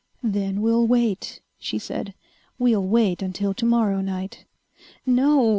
"Then we'll wait," she said. "We'll wait until tomorrow night." "No!"